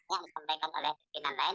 yang disampaikan oleh pimpinan lain